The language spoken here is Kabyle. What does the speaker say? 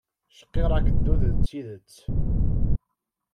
Cqirreɣ-k ddu d tidet!